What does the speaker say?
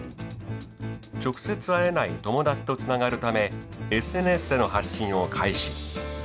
直接会えない友達とつながるためＳＮＳでの発信を開始。